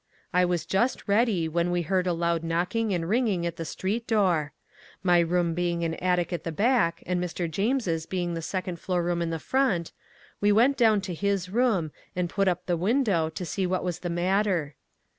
I was just ready, when we heard a loud knocking and ringing at the street door. My room being an attic at the back, and Mr. James's being the second floor room in the front, we went down to his room, and put up the window, to see what was the matter.